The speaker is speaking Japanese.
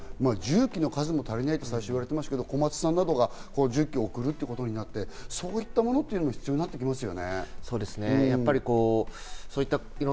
重機の数も足りないと最初は言われていましたが、コマツさんなどが重機を送るということになって、そういったものが必要になってきますね、古井さん。